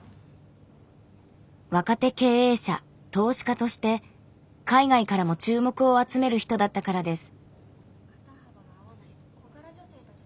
若手経営者・投資家として海外からも注目を集める人だったからです。